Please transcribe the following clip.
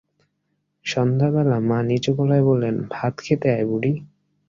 সন্ধ্যাবেলা মা নিচুগলায় বললেন, ভাত খেতে আয় বুড়ি।